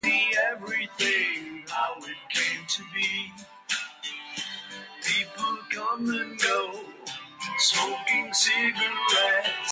Simple folk music songs often start and end with the tonic note.